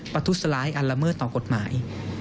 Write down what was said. ประทุษร้ายอันละเมิดต่อกฎหมาย